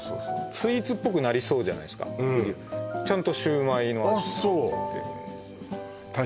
スイーツっぽくなりそうじゃないですか栗ちゃんとシュウマイの味になってるあっ